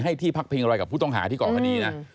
ที่พักพิงอะไรกับผู้ต้องหาที่เกาะคดีนะ